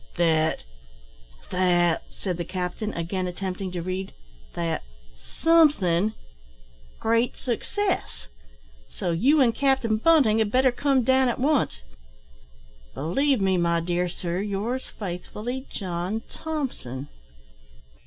"That that " said the captain, again attempting to read, "that somethin' great success; so you and Captain Bunting had better come down at once. "Believe me, my dear Sir, Yours faithfully, John Thomson."